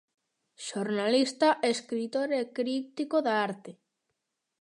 Xornalista, escritor e crítico da arte.